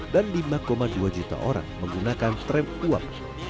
dan lima dua juta orang menggunakan tram uap